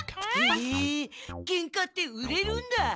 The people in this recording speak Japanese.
へえケンカって売れるんだ！